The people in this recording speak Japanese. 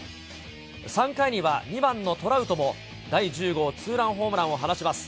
３回には２番のトラウトも、第１０号ツーランホームランを放ちます。